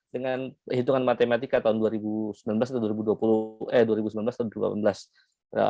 dengan hitungan matematika tahun dua ribu sembilan belas atau dua ribu delapan belas